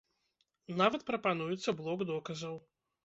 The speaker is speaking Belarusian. Нават прапануецца блок доказаў.